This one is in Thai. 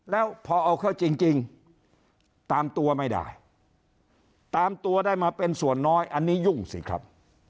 แล้วพอเอาเข้าจริงตามตัวไม่ได้ตามตัวได้มาเป็นส่วนน้อยอันนี้ยุ่งสิครับ